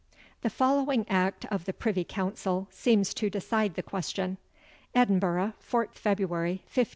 The following act of the Privy Council seems to decide the question: "Edinburgh, 4th February, 1589.